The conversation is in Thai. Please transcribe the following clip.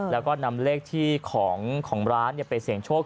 แล้วก็นำเลขที่ของร้านไปเสี่ยงโชค